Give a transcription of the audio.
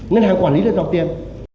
ngân hàng quản lý là dọc tiền